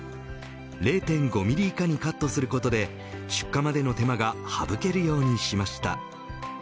０．５ミリ以下にカットすることで出荷までの手間が省けるようにしました。